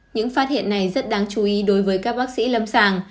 những phát hiện này rất đáng chú ý đối với các bác sĩ lâm sàng